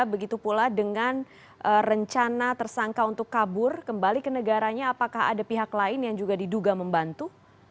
begitu pula dengan rencana tersangka untuk kabur kembali ke negaranya apakah ada pihak lain yang juga diduga membantu